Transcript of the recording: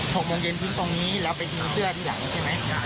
หกโมงเย็นทิ้งตรงนี้เราไปทิ้งเสื้อที่หลังใช่ไหม